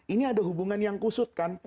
ini ada hubungan yang kusut kan